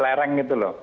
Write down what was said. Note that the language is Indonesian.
lereng itu lho